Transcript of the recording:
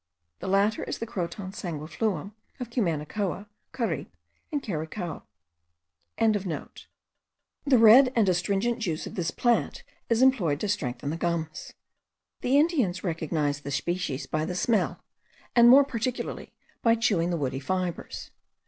The latter is the Croton sanguifluum of Cumanacoa, Caripe, and Cariaco. ) The red and astringent juice of this plant is employed to strengthen the gums. The Indians recognize the species by the smell, and more particularly by chewing the woody fibres.